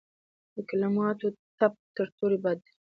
د کلماتو ټپ تر تورې بد دی.